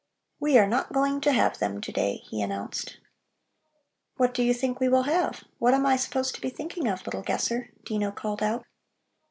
"We are not going to have them to day," he announced. "What do you think we will have? What am I supposed to be thinking of, little guesser?" Dino called out.